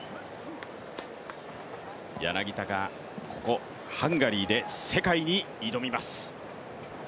柳田がここハンガリーで世界に挑みます。